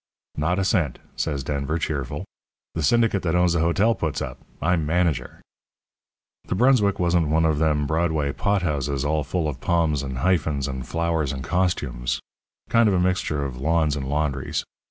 "'Not a cent,' says Denver, cheerful. 'The syndicate that owns the hotel puts up. I'm manager.' "The Brunswick wasn't one of them Broadway pot houses all full of palms and hyphens and flowers and costumes kind of a mixture of lawns and laundries.